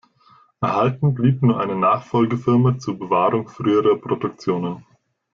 Erhalten blieb nur eine Nachfolgefirma zur Bewahrung früherer Produktionen.